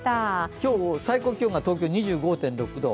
今日、最高気温が東京、２５．６度。